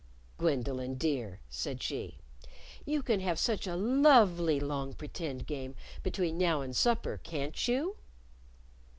"Gwendolyn dear," said she, "you can have such a lovely long pretend game between now and supper, can't you?"